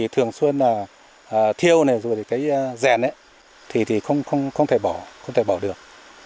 thường xuyên thiêu dền thì không thể bỏ được